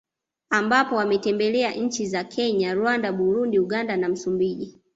Ambapo ametembelea nchi za Kenya Rwanda Burundi Uganda na Msumbiji